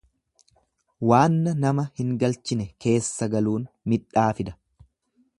Waanna nama hin galchine keessa galuun midhaa fida.